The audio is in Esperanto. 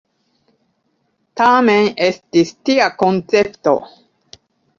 Tamen estis tia koncepto.